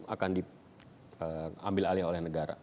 akan diambil alih oleh negara